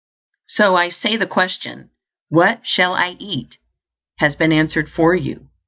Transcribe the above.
So, I say, the question, What shall I eat? has been answered for you.